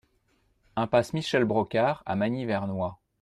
Impasse Michel Brocard à Magny-Vernois